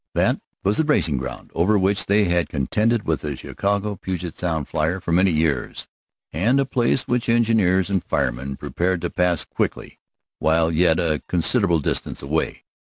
That was the racing ground over which they had contended with the Chicago Puget Sound flier for many years, and a place which engineers and firemen prepared to pass quickly while yet a considerable distance away.